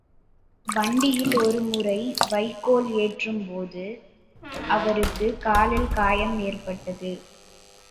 வண்டியில் ஒரு முறை வைக்கோலை ஏற்றும் போது, அவருக்குக் காலில் காயம் ஏற்பட்டது.